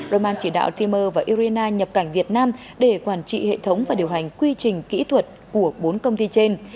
roman chỉ đạo timur và irina nhập cảnh việt nam để quản trị hệ thống và điều hành quy trình kỹ thuật của bốn công ty trên